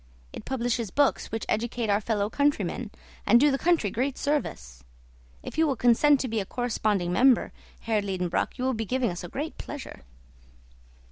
It publishes books which educate our fellow countrymen, and do the country great service. If you will consent to be a corresponding member, Herr Liedenbrock, you will be giving us great pleasure."